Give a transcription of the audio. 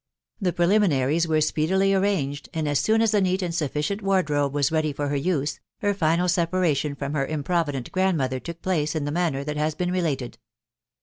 The preliminaries* were speedily arranged,, and as soon as a neat and sufficient, wardrobe was ready; for* her use; her final separation from .her improvident gi^ndmotherttook place in the manner that, has been related